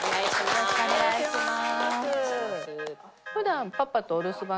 よろしくお願いします。